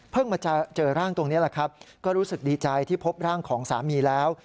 มาเจอร่างตรงนี้แหละครับก็รู้สึกดีใจที่พบร่างของสามีแล้ว